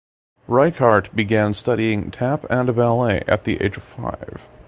Richert began studying tap and ballet at the age of five.